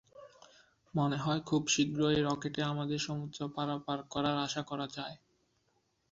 মনে হয় খুব শীঘ্রই রকেটে আমাদের সমুদ্র পারাপার করার আশা করা যায়।